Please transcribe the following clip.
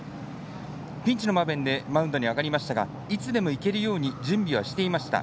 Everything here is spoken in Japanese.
ピンチの場面でマウンドに上がりましたがいつでもいけるように準備はしていました。